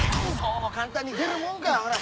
そう簡単に出るもんか。